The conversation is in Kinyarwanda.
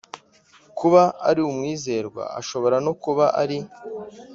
Kuba ari umwizerwa ashobora no kuba ari